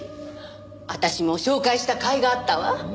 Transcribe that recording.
私も紹介した甲斐があったわ。